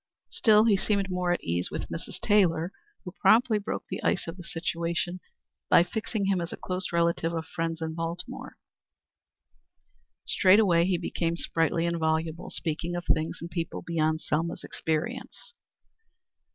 Still he seemed more at his ease with Mrs. Taylor, who promptly broke the ice of the situation by fixing him as a close relative of friends in Baltimore. Straightway he became sprightly and voluble, speaking of things and people beyond Selma's experience.